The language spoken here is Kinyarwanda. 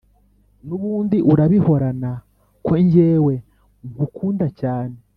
Nubundi urabihorana ko njyewe nkukunda cyane